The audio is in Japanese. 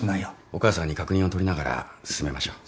お母さんに確認をとりながら進めましょう。